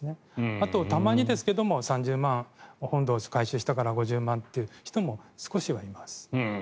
あと、たまにですが３０万円本堂を改修したから５０万円という人も少しはいます。